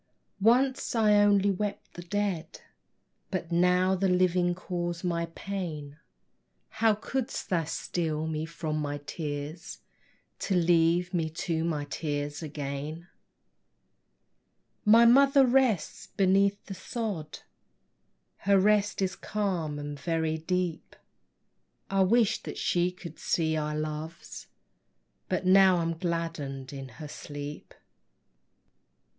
Once I only wept the dead, But now the living cause my pain: How couldst thou steal me from my tears, To leave me to my tears again? My Mother rests beneath the sod, Her rest is calm and very deep: I wish'd that she could see our loves, But now I gladden in her sleep.